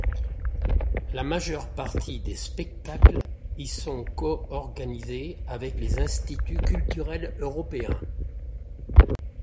La majeure partie des spectacles y sont coorganisés avec les instituts culturels européens.